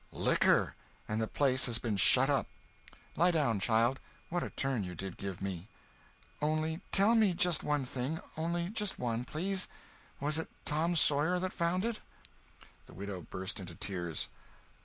"Liquor!—and the place has been shut up. Lie down, child—what a turn you did give me!" "Only tell me just one thing—only just one—please! Was it Tom Sawyer that found it?" The widow burst into tears.